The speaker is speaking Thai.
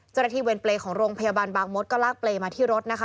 เจ้าหน้าที่เวียนเปรย์ของโรงพยาบาลปางมดก็ลากเปรย์มาที่รถนะคะ